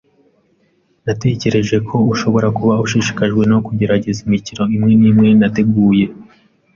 Natekereje ko ushobora kuba ushishikajwe no kugerageza imikino imwe nimwe nateguye.